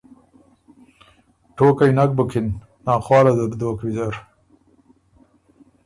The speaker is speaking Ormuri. ټوقئ نک بُکِن، ناخواله ده بُو دوک ویزر“